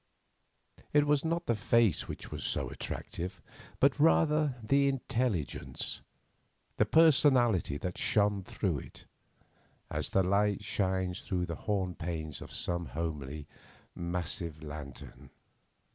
It was not the face which was so attractive, but rather the intelligence, the personality that shone through it, as the light shines through the horn panes of some homely, massive lantern.